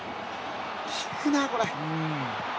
効くなこれ。